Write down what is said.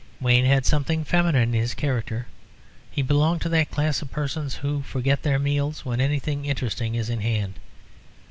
Wayne had something feminine in his character; he belonged to that class of persons who forget their meals when anything interesting is in hand.